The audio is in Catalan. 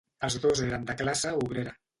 Els dos eren de classe obrera.